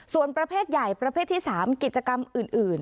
ส่วนประเภทใหญ่ประเภทที่๓กิจกรรมอื่น